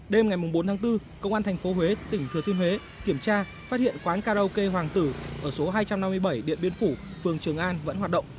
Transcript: đêm ngày bốn tháng bốn công an tp huế tỉnh thừa thiên huế kiểm tra phát hiện quán karaoke hoàng tử ở số hai trăm năm mươi bảy điện biên phủ phường trường an vẫn hoạt động